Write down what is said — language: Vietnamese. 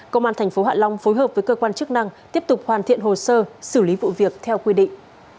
công an tp hạ long phối hợp với cơ quan chức năng tiếp tục hoàn thiện hồ sơ xử lý vụ việc theo quy định